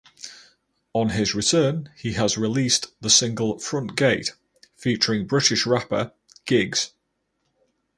On his return he has released the single "Front Gate" featuring British rapper Giggs.